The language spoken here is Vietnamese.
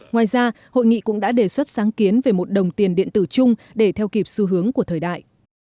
ngoài ra hội nghị cũng đã đề xuất sáng kiến về một đồng tiền điện tử chung để theo kịp xu hướng của thời đại